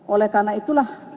oleh karena itulah